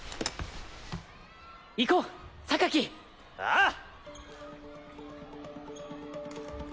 行こう！ああ！